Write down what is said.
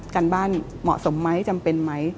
การบ้านเหมาะสมไหมจำเป็นไหม